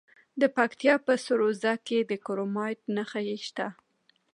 د پکتیکا په سروضه کې د کرومایټ نښې شته.